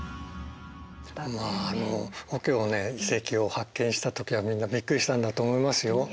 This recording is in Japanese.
まああのオケオ遺跡を発見した時はみんなビックリしたんだと思いますよ。